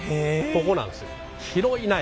ここなんですよ。